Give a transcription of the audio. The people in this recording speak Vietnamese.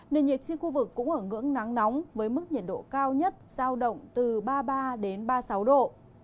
nền nhiệt trên khu vực cũng ở ngưỡng nắng nóng với mức nhiệt độ cao nhất giao động từ ba mươi ba ba mươi sáu độ